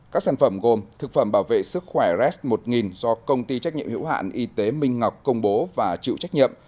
các sản phẩm gồm thực phẩm bảo vệ sức khỏe res một nghìn do công ty trách nhiệm hữu hạn y tế minh ngọc công bố và chịu trách nhiệm